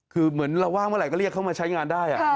คือเหมือนเราว่างเมื่อไหร่ก็เรียกเขามาใช้งานได้